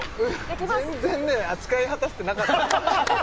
全然ね扱い果たせてなかった